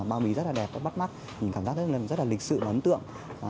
bao bì rất là đẹp bắt mắt cảm giác rất là lịch sự ấn tượng